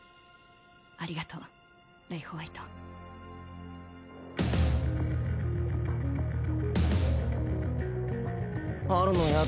ありがとうレイ＝ホワイトアルのヤツ